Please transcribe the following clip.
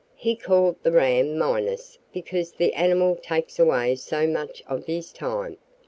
He called the ram Minus because the animal takes away so much of his time.